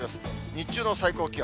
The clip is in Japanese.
日中の最高気温。